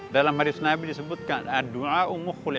dalam maris nabi disebutkan